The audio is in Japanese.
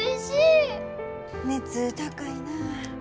熱高いな。